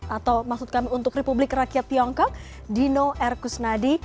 atau maksud kami untuk republik rakyat tiongkok dino erkusnadi